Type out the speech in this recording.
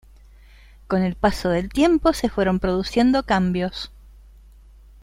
Con el paso del tiempo se fueron produciendo cambios.